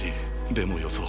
でもよそう。